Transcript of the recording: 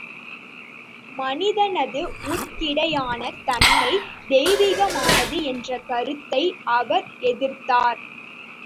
மனிதனது உட்கிடையான தன்மை, தெய்வீகமானது என்ற கருத்தை அவர் எதிர்த்தார்.